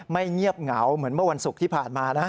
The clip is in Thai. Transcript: เงียบเหงาเหมือนเมื่อวันศุกร์ที่ผ่านมานะ